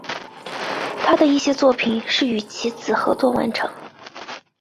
他的一些作品是与其子合作完成。